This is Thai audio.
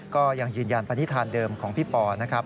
ก็ยังยืนยันปณิธานเดิมของพี่ปอนะครับ